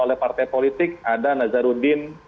oleh partai politik ada nazarudin